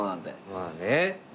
まあね。